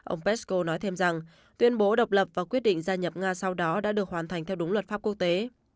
ông pesko nói thêm rằng tuyên bố độc lập và quyết định gia nhập nga sau đó đã được hoàn thành theo đúng luật pháp quốc tế